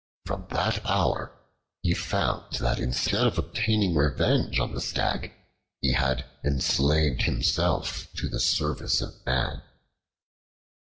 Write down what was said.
From that hour he found that instead of obtaining revenge on the Stag, he had enslaved himself to the service of man.